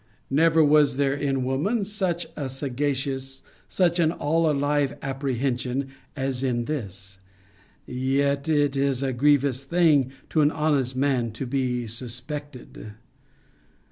Never was there in woman such a sagacious, such an all alive apprehension, as in this. Yet it is a grievous thing to an honest man to be suspected.